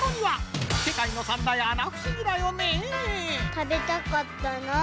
・たべたかったなぁ。